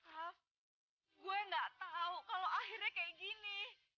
raff gue gak tahu kalau akhirnya kayak gini